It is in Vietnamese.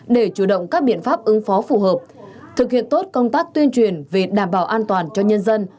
để chủ động các biện pháp ứng phó phù hợp thực hiện tốt công tác tuyên truyền về đảm bảo an toàn cho nhân dân